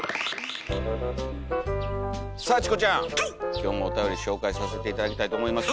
今日もおたより紹介させて頂きたいと思いますよ！